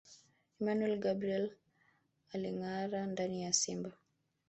Emmanuel Gabriel Alingâara ndani ya Simba